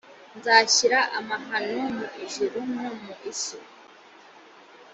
nzashyira amahano mu ijuru no mu isi